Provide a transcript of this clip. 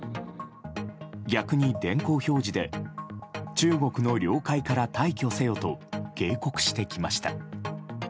逆に電光表示で「中国の領海から退去せよ」と警告してきました。